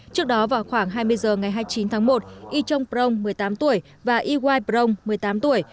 trước đó vào khoảng hai mươi giờ ngày hai mươi chín tháng một y trông prong một mươi tám tuổi và y y prong một mươi tám tuổi